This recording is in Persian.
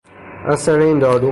اثر این دارو